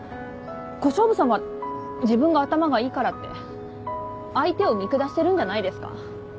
小勝負さんは自分が頭がいいからって相手を見下してるんじゃないですか。